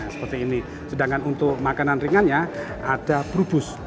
sedangkan untuk makanan ringannya ada purbus